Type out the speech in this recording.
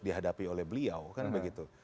dihadapi oleh beliau kan begitu